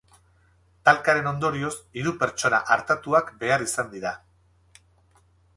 Talkaren ondorioz, hiru pertsona artatuak behar izan dira.